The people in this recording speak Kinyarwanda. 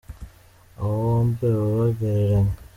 Aba bombi baba begeranye.